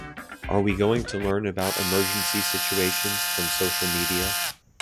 Are we going to learn about emergency situations from social media?